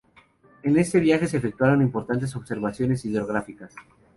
En este viaje se efectuaron importantes observaciones hidrográficas.